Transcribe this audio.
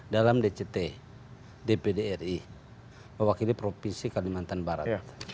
dalam dct dpdri mewakili provinsi kalimantan barat